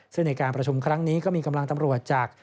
ซึ่งในการประชุมครั้งนี้ก็มีกำลังตำรวจจาก